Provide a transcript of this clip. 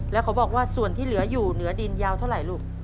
แล้วเขาบอกว่าส่วนที่เหลืออยู่เหนือดินยาวเท่าไหร่ลูก